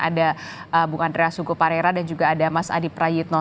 ada bung andreas sukoparera dan juga ada mas adi prayitno